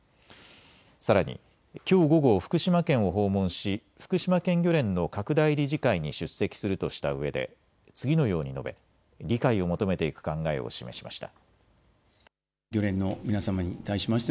さらにきょう午後、福島県を訪問し福島県漁連の拡大理事会に出席するとしたうえで次のように述べ理解を求めていく考えを示しました。